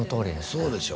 そうでしょ